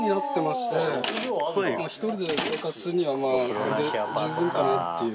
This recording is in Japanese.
１人で生活するにはこれで十分かなっていう。